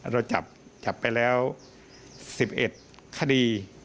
เราจับไปแล้ว๑๑คดี